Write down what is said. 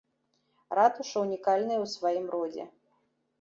Ратуша ўнікальная ў сваім родзе.